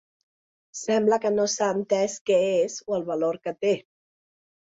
Sembla que no s’ha entès què és o el valor que té.